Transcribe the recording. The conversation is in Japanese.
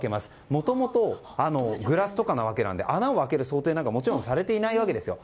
もともとグラスとかなので穴を開ける想定なんてもちろんされていないわけですよ。